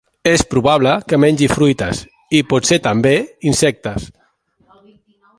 És probable que mengi fruites i, potser també, insectes.